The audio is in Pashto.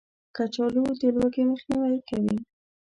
کچالو د لوږې مخنیوی کوي